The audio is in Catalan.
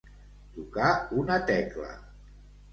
Tocar una tecla.